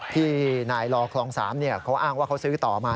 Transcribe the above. ที่นายลอคลอง๓เขาอ้างว่าเขาซื้อต่อมา